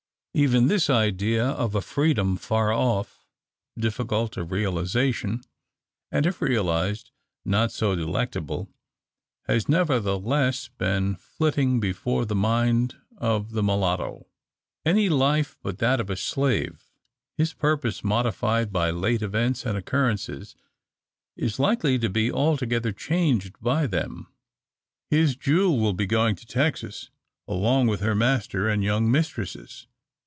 Even this idea of a freedom far off, difficult of realisation, and if realised not so delectable, has nevertheless been flitting before the mind of the mulatto. Any life but that of a slave! His purpose, modified by late events and occurrences, is likely to be altogether changed by them. His Jule will be going to Texas, along with her master and young mistresses.